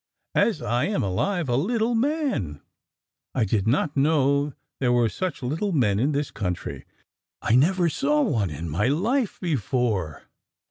as I am alive, a little man! I did not know there were such little men in this country! I never saw one in my life before!"